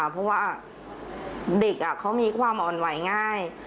เพราะว่าเด็กเขามีความอ่อนไหวง่าย